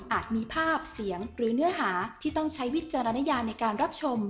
มีภาพเสียงหรือเนื้อหาที่ต้องใช้วิจารณญาในการรับชม